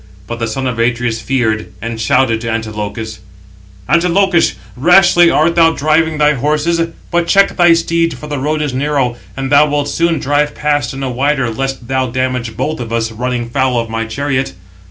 But the son of Atreus feared, and shouted to Antilochus: "Antilochus, rashly art thou driving thy horses; but check thy steeds for the road is narrow, and thou wilt soon drive past in a wider lest thou damage both [of us], running foul of [my] chariot."